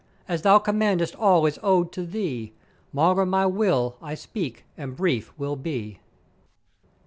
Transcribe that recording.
as thou commandest all is owed to thee; maugre my will I speak and brief will be.